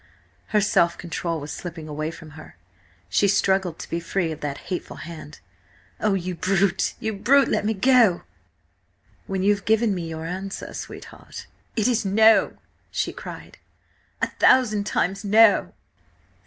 Her self control was slipping away from her; she struggled to be free of that hateful hand. "Oh, you brute, you brute! Let me go!" "When you have given me your answer, sweetheart." "It is no!" she cried. "A thousand times no!"